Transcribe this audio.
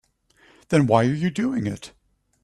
Then why are you doing it?